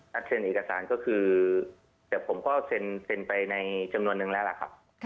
เซ็นเอกสารก็คือแต่ผมก็เซ็นไปในจำนวนนึงแล้วล่ะครับ